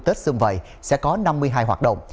tương vậy sẽ có năm mươi hai hoạt động